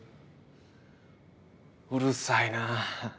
うるさいなぁ。